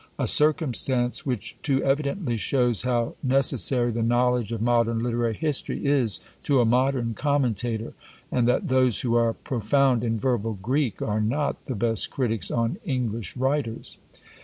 A circumstance which too evidently shows how necessary the knowledge of modern literary history is to a modern commentator, and that those who are profound in verbal Greek are not the best critics on English writers.